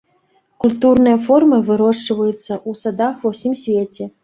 Культурныя формы вырошчваецца ў садах ва ўсім свеце.